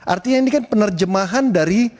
artinya ini kan penerjemahan dari